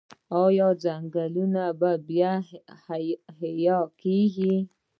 آیا ځنګلونه بیا احیا کیږي؟